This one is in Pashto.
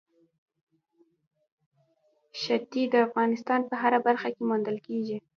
ښتې د افغانستان په هره برخه کې موندل کېږي.